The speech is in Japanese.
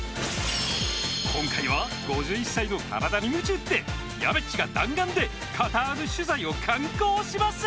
今回は５１歳の体にむち打ってやべっちが弾丸でカタール取材を敢行します！